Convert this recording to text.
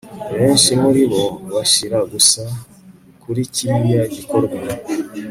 benshi muribo bashira gusa kuri kiriya gikorwa